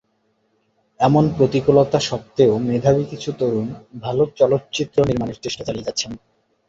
এমন প্রতিকূলতা সত্ত্বেও মেধাবী কিছু তরুণ ভালো চলচ্চিত্র নির্মাণের চেষ্টা চালিয়ে যাচ্ছেন।